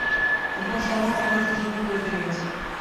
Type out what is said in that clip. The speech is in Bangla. ভুবন স্বর্ণ অমলা শ্বশুরঘর করিতে গিয়াছে।